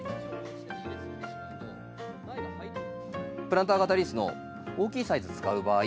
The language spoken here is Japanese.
プランター型リースの大きいサイズ使う場合